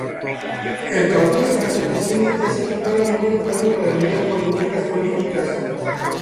El caudillo santafesino ya se encontraba muy enfermo para lidiar con intrigas políticas.